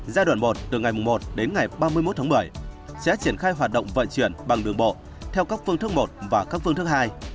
giai đoạn một từ ngày một đến ngày ba mươi một tháng một mươi sẽ triển khai hoạt động vận chuyển bằng đường bộ theo các phương thức một và các phương thức hai